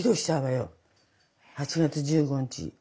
８月１５日。